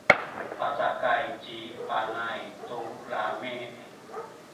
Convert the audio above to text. pacakay ci Panay tu lami’.